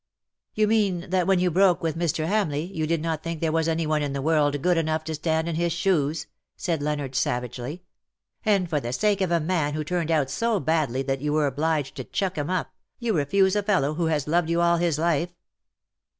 ^^ "You mean that when you broke with Mr. Hamleigh you did not think there was any one in the world good enough to stand in his shoes/' said Leonard, savagely. '^ And for the sake of a man who turned out so badly that you were obliged to chuck him up, you refuse a fellow who has loved you all his life.''